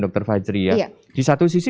dr fajri ya di satu sisi